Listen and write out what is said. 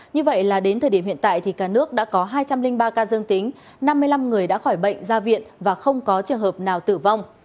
như vậy là đến thời điểm hiện tại thì cả nước đã có hai trăm linh ba ca dương tính năm mươi năm người đã khỏi bệnh ra viện và không có trường hợp nào tử vong